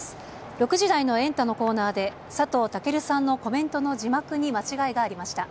６時台のエンタのコーナーで、佐藤健さんのコメントの字幕に間違いがありました。